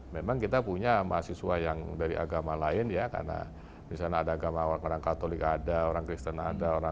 memang kita punya mahasiswa yang dari agama lain ya karena di sana ada agama orang katolik ada orang kristen ada orang